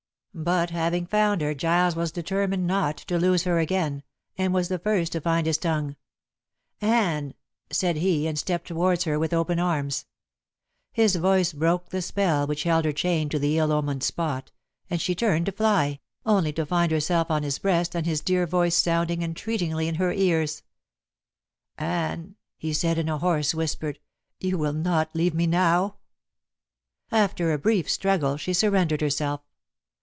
But having found her Giles was determined not to lose her again, and was the first to find his tongue. "Anne!" said he, and stepped towards her with open arms. His voice broke the spell which held her chained to the ill omened spot, and she turned to fly, only to find herself on his breast and his dear voice sounding entreatingly in her ears. "Anne," he said in a hoarse whisper, "you will not leave me now?" After a brief struggle she surrendered herself.